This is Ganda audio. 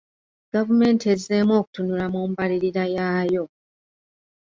Gavumenti ezzeemu okutunula mu mbalirira yaayo.